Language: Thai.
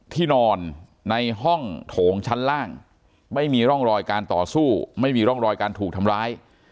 ที่นอนในห้องโถงชั้นล่างไม่มีร่องรอยการต่อสู้ไม่มีร่องรอยการถูกทำร้าย